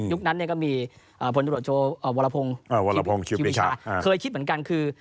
ยุคนั้นนี่ก็มีบรรทรวจชูวารพงศ์ชีวิชาเคยคิดเหมือนกันคือ